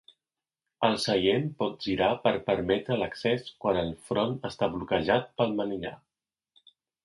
El seient pot girar per permetre l'accés quan el front està bloquejat pel manillar.